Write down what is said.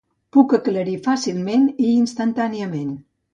Puc aclarir fàcilment i instantàniament.